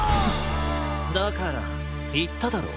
だからいっただろう。